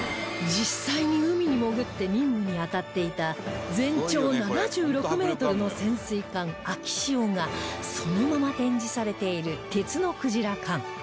実際に海に潜って任務にあたっていた全長７６メートルの潜水艦「あきしお」がそのまま展示されているてつのくじら館